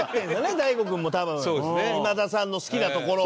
大悟君も多分今田さんの好きなところを。